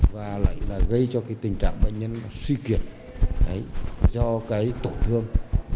và lại là gây cho cái tình trạng bệnh nhân suy kiệt do cái tổn thương